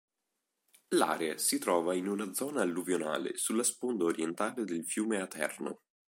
L'area si trova in una zona alluvionale sulla sponda orientale del fiume Aterno.